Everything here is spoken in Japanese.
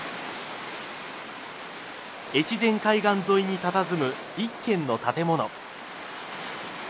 越前海岸沿いにたたずむ１軒の建物。